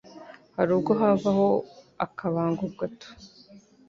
hari ubwo havaho akabango gato